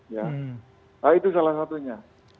nah itu salah satunya